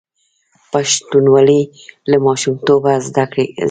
پښتونولي له ماشومتوبه زده کیږي.